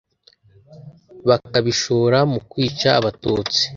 bakabishora mu kwica abatutsi